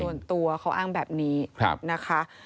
ส่วนตัวเขาอ้างแบบนี้นะคะ